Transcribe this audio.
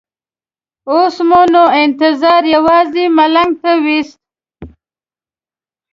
اوس مو نو انتظار یوازې ملنګ ته وېست.